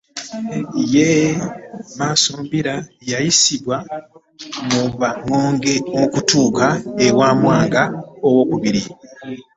Ye Maasombira yayisibwa mu ba ŋŋonge okutuuka ewa Mwanga II.